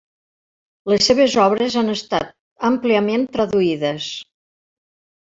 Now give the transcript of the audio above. Les seves obres han estat àmpliament traduïdes.